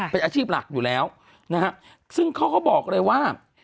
เป็นอาชีพหลักอยู่แล้วนะฮะซึ่งเขาก็บอกเลยว่า